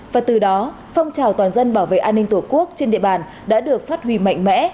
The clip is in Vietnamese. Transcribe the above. và từ đó phong trào toàn dân bảo vệ an ninh tổ quốc trên địa bàn đã được phát huy mạnh mẽ